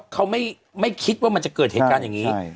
เขาไม่คิดว่ามันจะเกิดเหตุการณ์อย่างนี้